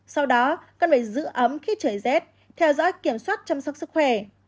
sau đó cần phải giữ ấm khi trời rét theo dõi kiểm soát chăm sóc sức khỏe